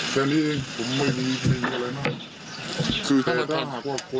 แค่นี้ผมมีไม่นุ่มอะไรมาก